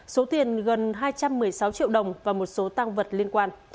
số tiền gần hai trăm một mươi sáu triệu đồng và một số tăng vật liên quan